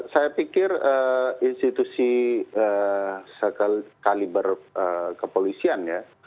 saya pikir institusi sekaliber kepolisian ya